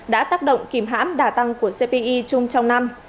đã tác động kìm hãm đà tăng của cpi chung trong năm